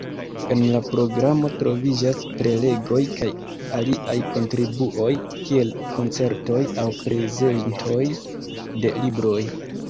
En la programo troviĝas prelegoj kaj aliaj kontribuoj, kiel koncertoj aŭ prezentoj de libroj.